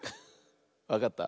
わかった？